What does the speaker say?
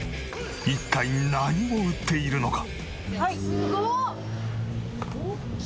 一体何を売っているのか！？